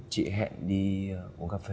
chị hẹn đi uống cà phê